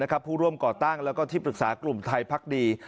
กับผู้ร่วมก่อตั้งและปรึกษากลุ่มไทยพักดี